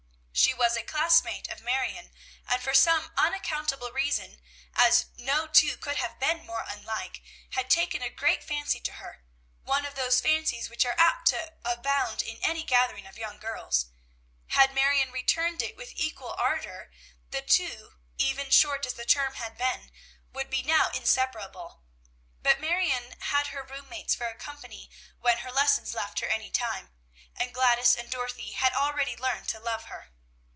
She was a classmate of Marion, and for some unaccountable reason, as no two could have been more unlike, had taken a great fancy to her, one of those fancies which are apt to abound in any gathering of young girls. Had Marion returned it with equal ardor, the two, even short as the term had been, would be now inseparable; but Marion had her room mates for company when her lessons left her any time, and Gladys and Dorothy had already learned to love her.